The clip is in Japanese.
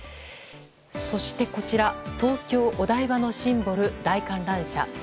そして、こちら東京・お台場のシンボル大観覧車。